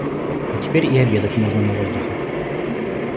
Теперь и обедать можно на воздухе.